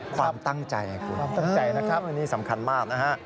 ความตั้งใจคร๊ะครูนะครับวันนี้สำคัญมากนะครับ